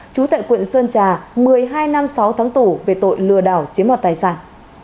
chú tại quận sơn trà một mươi hai năm sáu tháng tủ về tội lừa đảo chiếm hoạt tài sản